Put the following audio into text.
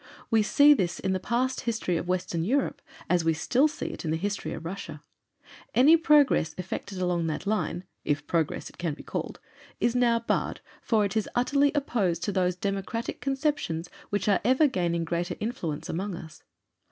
We see this in the past history of Western Europe, as we still see it in the history of Russia. Any progress effected along that line if 'progress' it can be called is now barred, for it is utterly opposed to those democratic conceptions which are ever gaining greater influence among us.